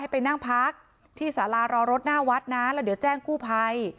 ไปนั่งพักที่สารารอรถหน้าวัดนะแล้วเดี๋ยวแจ้งกู้ภัย